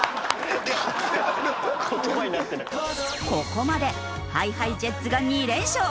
ここまでＨｉＨｉＪｅｔｓが２連勝！